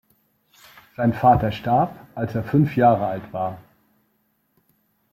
Sein Vater starb, als er fünf Jahre alt war.